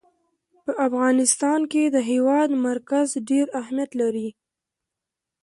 په افغانستان کې د هېواد مرکز ډېر اهمیت لري.